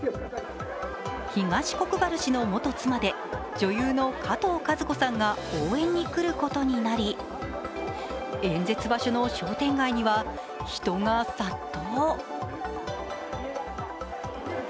東国原氏の元妻で女優のかとうかず子さんが応援に来ることになり、演説場所の商店街には人が殺到。